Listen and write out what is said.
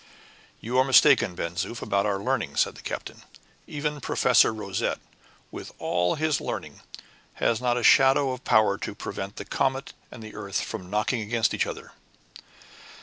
"You are mistaken, Ben Zoof, about our learning," said the captain; "even Professor Rosette, with all his learning, has not a shadow of power to prevent the comet and the earth from knocking against each other."